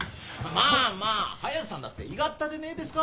まあまあ早瀬さんだっていがったでねえですか。